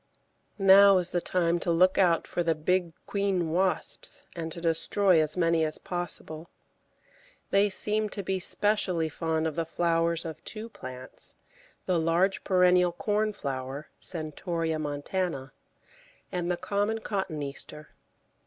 Now is the time to look out for the big queen wasps and to destroy as many as possible. They seem to be specially fond of the flowers of two plants, the large perennial Cornflower (Centaurea montana) and the common Cotoneaster.